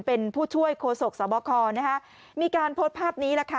เป็นผู้ช่วยโคศกสบคนะคะมีการโพสต์ภาพนี้แหละค่ะ